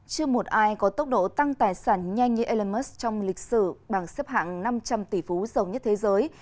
chưa một ai có tốc độ tăng tài sản nhanh như elon musk trong lịch sử bằng xếp hạng năm trăm linh tỷ phú giàu nhất thế giới